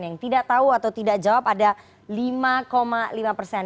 yang tidak tahu atau tidak jawab ada lima lima persen